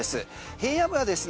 平野部はですね